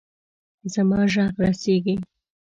زما ږغ رسیږي.